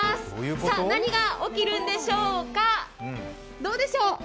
さあ、何が起きるんでしょうか、どうでしょう？